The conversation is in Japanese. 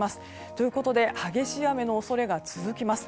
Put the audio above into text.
ということで激しい雨の恐れが続きます。